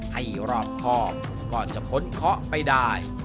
ให้รอบครอบก่อนจะพ้นเคาะไปได้